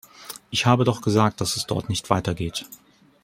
Ich habe doch gesagt, dass es dort nicht weitergeht.